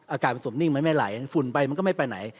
อากาศมันสมนิ่งมันไม่ไหลฝุ่นไปมันก็ไม่ไปไหน